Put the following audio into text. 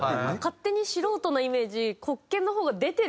勝手に素人のイメージ。